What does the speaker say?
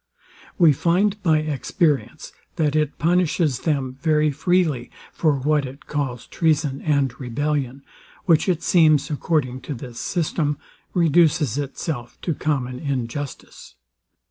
We find by experience, that it punishes them very freely for what it calls treason and rebellion, which, it seems, according to this system, reduces itself to common injustice.